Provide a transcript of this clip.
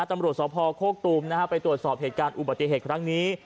ตำรวจสภโคกตูมนะฮะไปตรวจสอบเหตุการณ์อุบัติเหตุครั้งนี้